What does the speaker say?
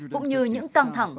cũng như những căng thẳng